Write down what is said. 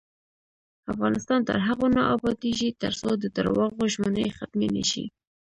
افغانستان تر هغو نه ابادیږي، ترڅو د درواغو ژمنې ختمې نشي.